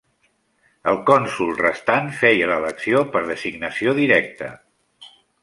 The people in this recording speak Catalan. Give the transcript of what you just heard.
El cònsol restant feia l'elecció per designació directa.